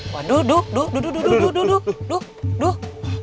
waduh duduk duduk duduk duduk duduk